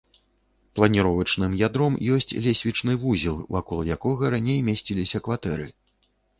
Планіровачным ядром ёсць лесвічны вузел, вакол якога раней месціліся кватэры.